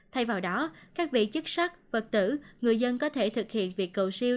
thay vào đó các vị chức sắc vật tử người dân có thể thực hiện việc cầu siêu